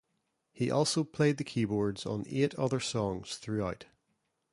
He also played the keyboards on eight other songs throughout.